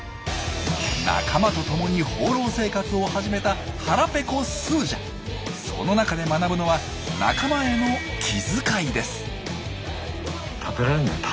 仲間と共に放浪生活を始めたその中で学ぶのは「仲間への気づかい」です。